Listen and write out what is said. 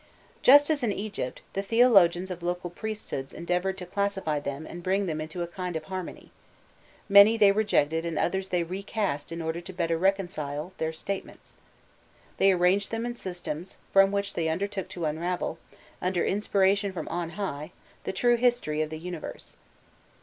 Just as in Egypt, the theologians of local priesthoods endeavoured to classify them and bring them into a kind of harmony: many they rejected and others they recast in order to better reconcile their statements: they arranged them in systems, from which they undertook to unravel, under inspiration from on high, the true history of the universe.